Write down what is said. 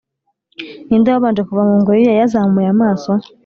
ninde wabanje kuva mu ngoyi ye yazamuye amaso?